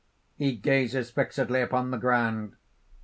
(_He gazes fixedly upon the ground.